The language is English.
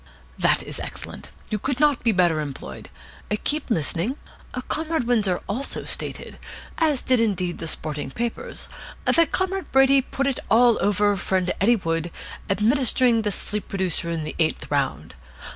"That is excellent. You could not be better employed. Keep listening. Comrade Windsor also stated as indeed did the sporting papers that Comrade Brady put it all over friend Eddie Wood, administering the sleep producer in the eighth round.